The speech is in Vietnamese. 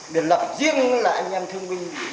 điện lập riêng là anh em thương minh